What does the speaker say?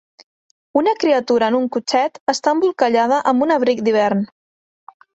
Una criatura en un cotxet està embolcallada amb un abric d'hivern.